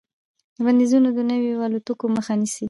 بندیزونه د نویو الوتکو مخه نیسي.